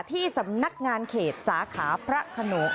ที่สำนักงานเขตสาขาพระขนง